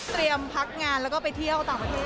เตรียมพักงานแล้วก็ไปเที่ยวต่อมา